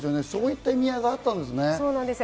そういう意味合いがあったんですね。